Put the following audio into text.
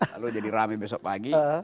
lalu jadi rame besok pagi